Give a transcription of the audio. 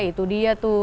itu dia tuh